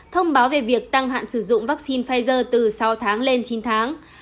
thông báo về việc tăng hạn sử dụng vaccine pfizer từ sáu tháng lên chín tháng